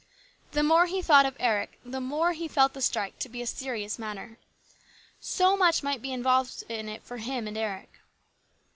The more he thought of Eric the more he felt the strike to be a serious matter. So much might be involved in it for him and Eric.